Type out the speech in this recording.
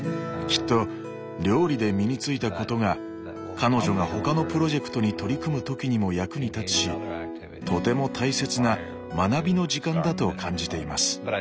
きっと料理で身についたことが彼女が他のプロジェクトに取り組む時にも役に立つしとても大切な学びの時間だと感じています。